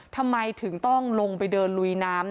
ทำไมถึงต้องลงไปเดินลุยน้ำ